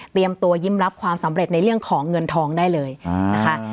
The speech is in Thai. ตัวยิ้มรับความสำเร็จในเรื่องของเงินทองได้เลยนะคะ